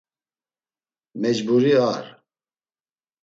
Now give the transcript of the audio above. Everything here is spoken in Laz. Mecburi ar!